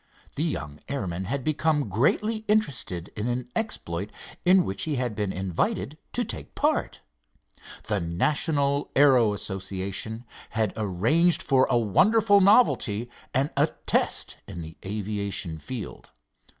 The young airman had become greatly interested in an exploit in which he had been invited to take part. The National Aero Association had arranged for a wonderful novelty and a test in the aviation field.